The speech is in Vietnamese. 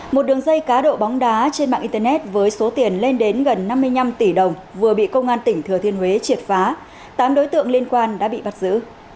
một đường dây cá độ bóng đá trên mạng internet với số tiền lên đến gần năm mươi năm tỷ đồng vừa bị công an tỉnh thừa thiên huế triệt phá tám đối tượng liên quan đã bị bắt giữ